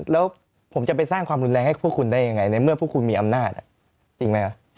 แล้วผมจะไปสร้างความรุนแรงให้พวกคุณได้ยังไงในเมื่อพวกคุณมีอำนาจจริงไหมฮะ